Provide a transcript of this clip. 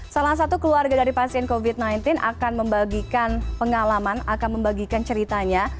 salah satu keluarga dari pasien covid sembilan belas akan membagikan pengalaman akan membagikan ceritanya